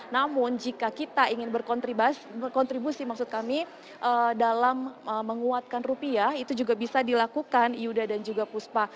namun jika kita ingin berkontribusi maksud kami dalam menguatkan rupiah itu juga bisa dilakukan yuda dan juga puspa